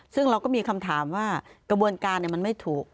ซึ่งเราก็มีคำถามว่ากระบวนการมันไม่ถูก